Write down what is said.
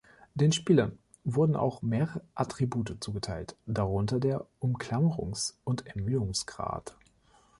Den Spielern wurden auch mehr Attribute zugeteilt, darunter der Umklammerungs- und Ermüdungsgrad.